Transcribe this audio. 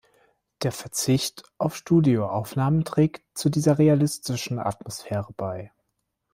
Der Verzicht auf Studioaufnahmen trägt zu dieser realistischen Atmosphäre bei.